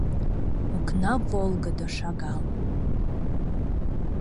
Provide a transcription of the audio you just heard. Окна волгыдо шагал.